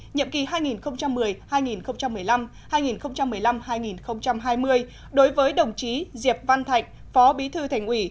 nhiệm kỳ hai nghìn một mươi hai nghìn một mươi năm hai nghìn một mươi năm hai nghìn hai mươi đối với đồng chí diệp văn thạnh phó bí thư thành ủy